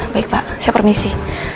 baik pak saya permisi